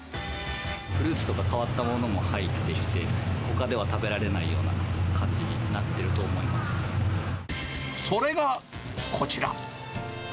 フルーツとか変わったものも入っていて、ほかでは食べられないような感じになってると思いまそれがこちら。